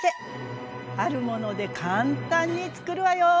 あるもので簡単につくるわよ。